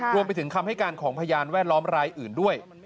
รวมไปถึงของของพญาณแวดล้อมรายอื่นด้วย